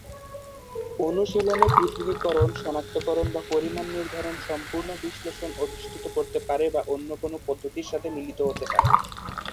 অনুশীলনে পৃথকীকরণ, শনাক্তকরণ বা পরিমাণ নির্ধারণ সম্পূর্ণ বিশ্লেষণ অধিষ্ঠিত করতে পারে বা অন্য কোনও পদ্ধতির সাথে মিলিত হতে পারে।